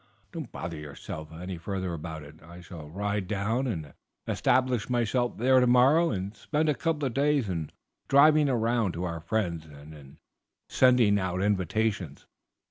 Don't bother yourself any further about it. I shall ride down and establish myself there tomorrow, and spend a couple of days in driving round to our friends and in sending out invitations.